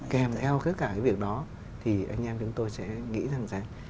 kèm theo tất cả cái việc đó thì anh em chúng tôi sẽ nghĩ rằng